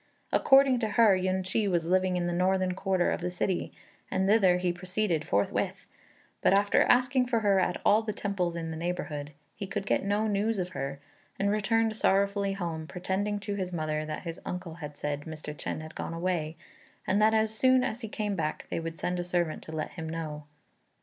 According to her, Yün ch'i was living in the northern quarter of the city, and thither he proceeded forthwith; but after asking for her at all the temples in the neighbourhood, he could get no news of her, and returned sorrowfully home, pretending to his mother that his uncle had said Mr. Ch'ên had gone away, and that as soon as he came back they would send a servant to let him know.